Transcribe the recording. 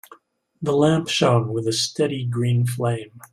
The lamp shone with a steady green flame.